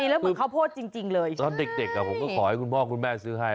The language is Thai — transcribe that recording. นี่มันเหมือนข้าวโพสจริงเลยใช่ไหมใช่ตอนเด็กผมก็ขอให้คุณพ่อคุณแม่ซื้อให้